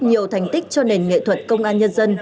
nhiều thành tích cho nền nghệ thuật công an nhân dân